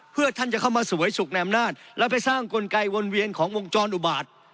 เพื่อท่านจะเข้ามาสวยสุขในอำนาจแล้วไปสร้างกลไกวนเวียนของวงจรอุบาต